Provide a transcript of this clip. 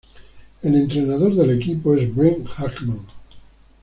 El entrenador del equipo es Brent Hackman.